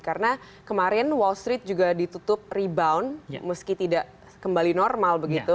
karena kemarin wall street juga ditutup rebound meski tidak kembali normal begitu